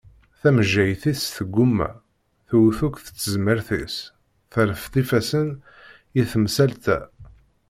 Tamejjayt-is tegguma, tewwet akk s tezmert-is, terfed ifassen i temsalt-a.